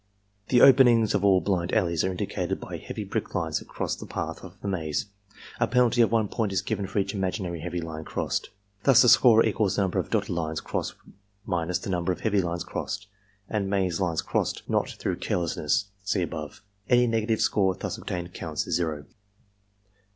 The openings of all blind alleys are indicated by heavy black lines across the path of the maze. A penalty of 1 point is given for each imaginary heavy line crossed. Thus the score equals the number of dotted lines crossed minus the number of heavy lines crossed, and maze lines crossed not through carelessness (see above). Any negative score thus obtained coimts as zero.